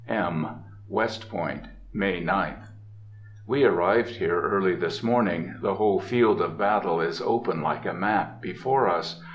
(M.) West Point, May 9th.—We arrived here early this morning. The whole field of battle is open like a map before us.